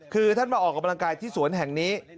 คือท่านมาออกกำลังกายที่สวนแห่งนี้